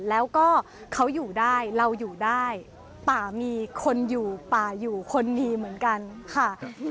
แล้วก็เขาอยู่ได้เราอยู่ได้ป่ามีคนอยู่ป่าอยู่คนดีเหมือนกันค่ะ